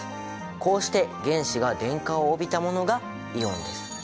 こうして原子が電荷を帯びたものがイオンです。